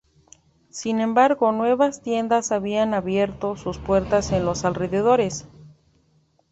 Sin embargo, nuevas tiendas habían abierto sus puertas en los alrededores.